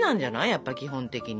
やっぱり基本的に。